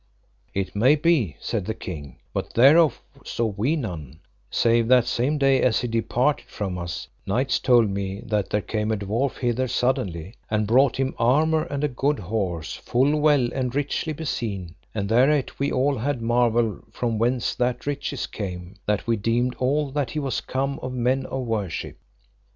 It may be, said the King, but thereof saw we none, save that same day as he departed from us, knights told me that there came a dwarf hither suddenly, and brought him armour and a good horse full well and richly beseen; and thereat we all had marvel from whence that riches came, that we deemed all that he was come of men of worship.